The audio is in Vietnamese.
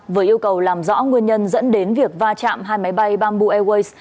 vừa yêu cầu làm rõ nguyên nhân dẫn đến việc va chạm hai máy bay bamboo airways